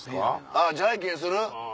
あぁジャイケンする？